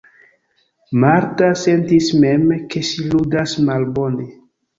Marta sentis mem, ke ŝi ludas malbone.